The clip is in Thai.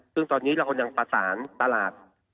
ซึ่งตอนนี้เราก็พัฒนตลาด